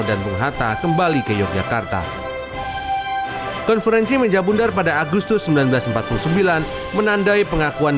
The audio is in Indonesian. dan bung hatta kembali ke yogyakarta konferensi meja bundar pada agustus seribu sembilan ratus empat puluh sembilan menandai pengakuan